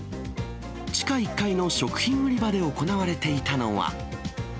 地下１階の食品売り場で行われていたのは。